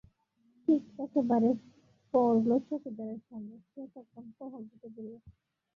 ঠিক একেবারে পড়ল চৌকিদারের সামনে, সে তখন টহল দিতে বেরিয়েছে।